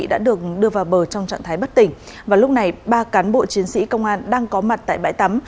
đã được đưa vào bờ trong trạng thái bất tỉnh và lúc này ba cán bộ chiến sĩ công an đang có mặt tại bãi tắm